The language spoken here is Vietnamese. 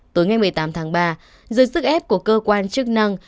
tối ngày một mươi tám tháng ba dưới sức ép của cơ quan chức năng